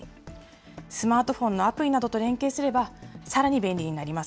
スマートフォンのアプリなどと連携すれば、さらに便利になります。